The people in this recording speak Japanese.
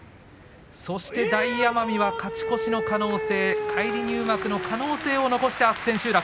そして大奄美が勝ち越しの可能性返り入幕の可能性を残しあす千秋楽。